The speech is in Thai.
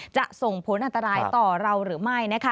จะส่งผลอันตรายต่อเราหรือไม่